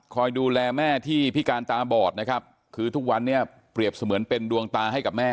ดูแลแม่ที่พิการตาบอดนะครับคือทุกวันนี้เปรียบเสมือนเป็นดวงตาให้กับแม่